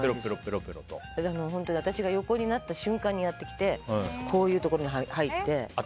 私が横になった瞬間に来てこういうところに入って。